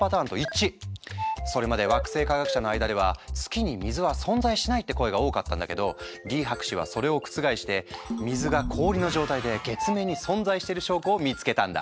それまで惑星科学者の間では「月に水は存在しない」って声が多かったんだけどリ博士はそれを覆して水が氷の状態で月面に存在している証拠を見つけたんだ。